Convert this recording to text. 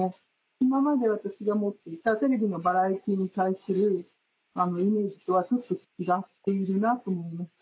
今まで私が持っていたテレビのバラエティーに対するイメージとはちょっと違っているなと思いました。